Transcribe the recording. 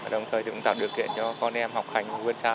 đồng thời tạo điều kiện cho con em học hành huyện xã